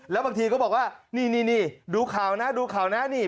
แล้วบางทีเขาบอกว่านี่ดูข่าวนะนี่